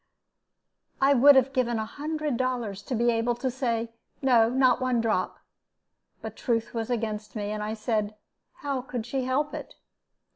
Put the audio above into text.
I would have given a hundred dollars to be able to say, "No, not one drop;" but the truth was against me, and I said, "How could she help it?"